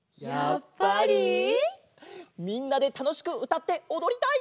みんなでたのしくうたっておどりたい！